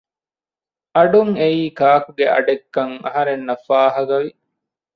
އަޑުން އެއީ ކާކުގެ އަޑެއްކަން އަހަރެންނަށް ފާހަގަވި